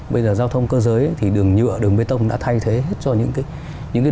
bây giờ giao thông cơ giới thì đường nhựa đường bê tông đã thay thế cho những